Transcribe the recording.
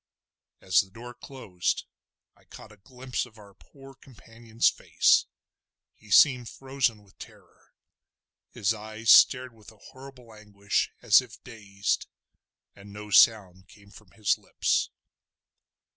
As the door closed I caught a glimpse of our poor companion's face. He seemed frozen with terror. His eyes stared with a horrible anguish as if dazed, and no sound came from his lips.